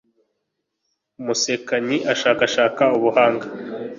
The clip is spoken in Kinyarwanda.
umusekanyi ashakashaka ubuhanga